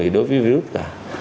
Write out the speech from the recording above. đối với virus cả